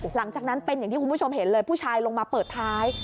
หลังจากนั้นเป็นอย่างที่คุณผู้ชมเห็นเลยผู้ชายลงมาเปิดท้าย